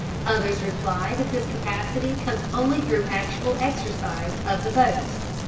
Others reply that this capacity comes only through actual exercise of the vote.